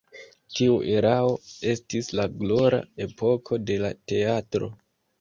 Tiu erao estis la glora epoko de la teatro.